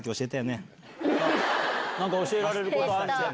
何か教えられることある？